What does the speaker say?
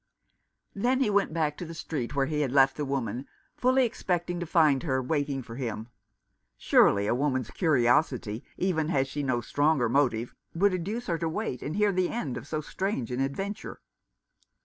Then he went back to the street where he had left the woman, fully expecting to find her waiting 252 The Boyhood of Oliver Greswold. for him. Surely a woman's curiosity, even had she no stronger motive, would induce her to wait and hear the end of so strange an adventure.